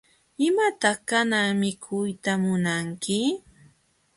¿Imataq kanan mikuyta munanki?